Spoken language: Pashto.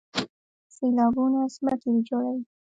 سیلابونه ځمکې ویجاړوي.